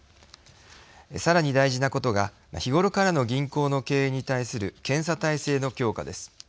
さらに大事なことが日ごろからの銀行の経営に対する検査体制の強化です。